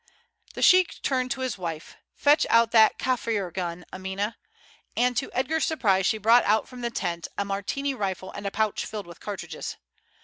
The sheik turned to his wife: "Fetch out that Kaffir gun, Amina." And to Edgar's surprise she brought out from the tent a Martini rifle and a pouch filled with cartridges.